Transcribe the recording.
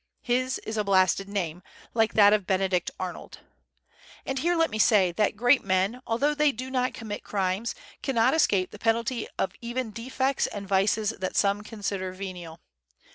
His is a blasted name, like that of Benedict Arnold. And here let me say, that great men, although they do not commit crimes, cannot escape the penalty of even defects and vices that some consider venial.